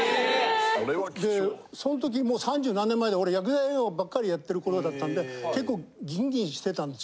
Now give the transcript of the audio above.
・それは貴重・でその時もう３０何年前で俺ヤクザ映画ばっかりやってる頃だったんで結構ギンギンしてたんですよ。